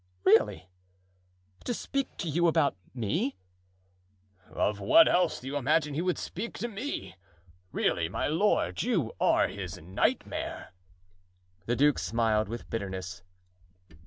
"Really! to speak to you about me?" "Of what else do you imagine he would speak to me? Really, my lord, you are his nightmare." The duke smiled with bitterness.